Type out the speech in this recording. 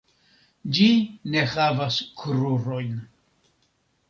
Ĝi ne havas krurojn.